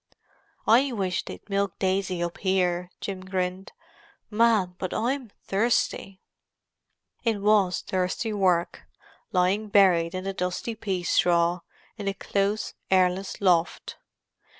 "I wish they'd milk Daisy up here," Jim grinned. "Man, but I'm thirsty!" It was thirsty work, lying buried in the dusty pea straw, in the close, airless loft.